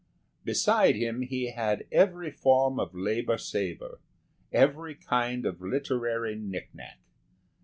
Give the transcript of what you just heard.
Beside him he had every form of labour saver; every kind of literary knick knack.